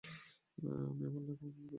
আমি আমার লাইফ আমার মতো বাঁচতে চাই।